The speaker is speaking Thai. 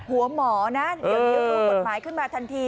หัวหมอนะเดี๋ยวดูกฎหมายขึ้นมาทันที